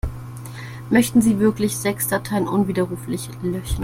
Möchten Sie wirklich sechs Dateien unwiderruflich löschen?